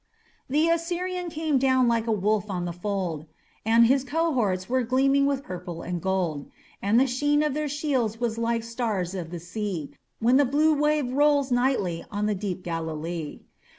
The Assyrian came down like a wolf on the fold, And his cohorts were gleaming with purple and gold; And the sheen of their spears was like stars of the sea, When the blue wave rolls nightly on deep Galilee.